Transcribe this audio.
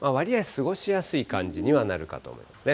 過ごしやすい感じにはなるかと思いますね。